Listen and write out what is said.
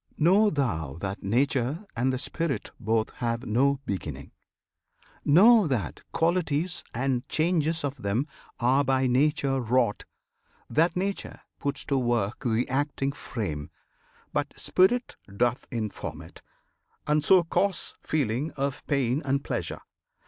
Know thou that Nature and the Spirit both Have no beginning! Know that qualities And changes of them are by Nature wrought; That Nature puts to work the acting frame, But Spirit doth inform it, and so cause Feeling of pain and pleasure.